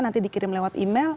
nanti dikirim lewat email